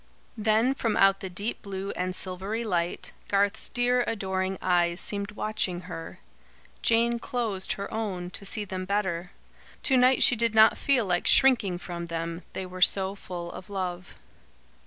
Then from out the deep blue and silvery light, Garth's dear adoring eyes seemed watching her. Jane closed her own, to see them better. To night she did not feel like shrinking from them, they were so full of love.